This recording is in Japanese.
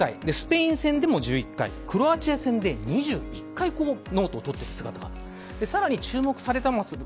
スペイン戦でも１１回クロアチア戦で２１回ノートを取っている姿が見られている。